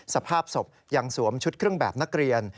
สภาพศพยังสวมชุดเครื่องแบบนักเรียน